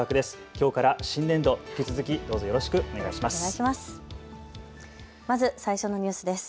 きょうから新年度、引き続きどうぞよろしくお願いします。